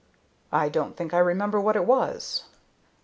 "I don't think I remember what it was."